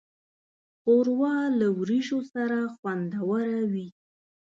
ښوروا له وریژو سره خوندوره وي.